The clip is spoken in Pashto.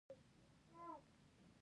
مالیاتي عواید دوه برابره لوړ شول.